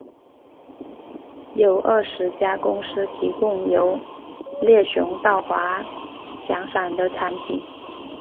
有二十家公司提供由猎熊到滑翔伞的产品。